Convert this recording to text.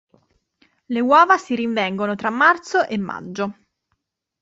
Le uova si rinvengono tra marzo e maggio.